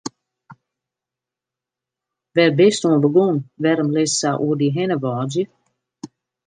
Wêr bist oan begûn, wêrom litst sa oer dy hinne wâdzje?